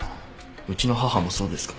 うちの母もそうですから。